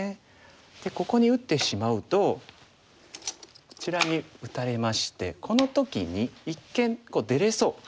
ここに打ってしまうとこちらに打たれましてこの時に一見出れそう。